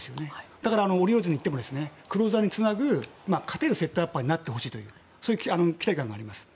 だからオリオールズに行ってもクローザーにつなぐ勝てるセットアッパーになってほしいという期待感があります。